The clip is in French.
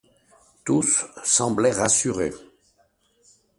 Tous semblaient rassurés.